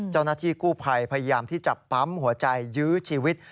เจ้าหน้าที่กู้ภัยพยายามที่จะปั๊มหัวใจยื้อชีวิต